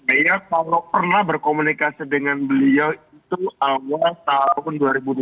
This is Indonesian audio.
saya kalau pernah berkomunikasi dengan beliau itu awal tahun dua ribu dua puluh